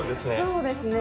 そうですね。